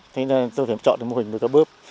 thế nên tôi phải chọn được mô hình nuôi cá bớp